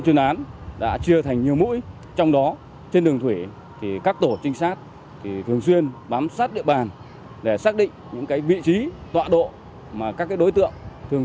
các tổ trinh sát thường xuyên bám sát địa bàn để xác định vị trí tọa độ các đối tượng